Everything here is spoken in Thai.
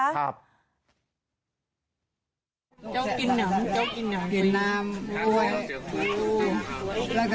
เจ้ากินน้ำ